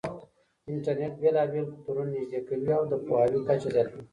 انټرنېټ بېلابېل کلتورونه نږدې کوي او د پوهاوي کچه زياتوي.